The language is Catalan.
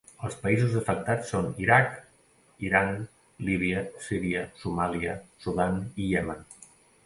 Els països afectats són Iraq, Iran, Líbia, Síria, Somàlia, Sudan i Iemen.